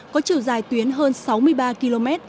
có chiều dài tuyến hơn sáu mươi ba km